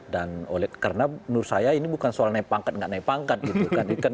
dan karena menurut saya ini bukan soal naik pangkat nggak naik pangkat gitu kan